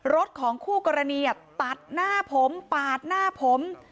รถของคู่กรณีตัดหน้าผมปาดหน้าผม